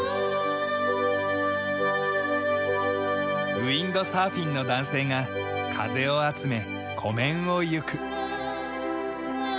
ウィンドサーフィンの男性が風を集め湖面をゆく。